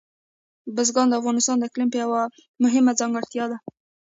بزګان د افغانستان د اقلیم یوه مهمه ځانګړتیا ده.